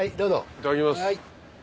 いただきます。